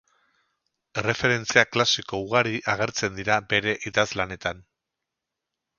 Erreferentzia klasiko ugari agertzen dira bere idazlanetan.